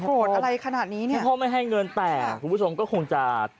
อะไรขนาดนี้เนี่ยคุณพ่อไม่ให้เงินแต่คุณผู้ชมก็คงจะ